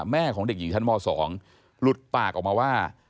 แม่ของเด็กหญิงชั้นม๒หลุดปากออกมาว่า